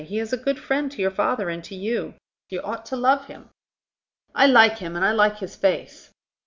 He is a good friend to your father and to you. You ought to love him." "I like him, and I like his face."